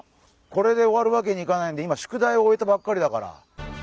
これで終わるわけにいかないんで今宿題を終えたばっかりだから。